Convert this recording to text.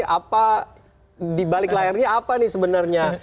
apa dibalik layarnya apa nih sebenarnya